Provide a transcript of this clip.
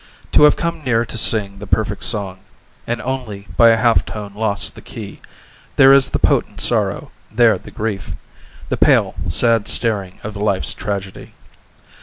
To have come near to sing the perfect song And only by a half tone lost the key, There is the potent sorrow, there the grief, The pale, sad staring of life's tragedy.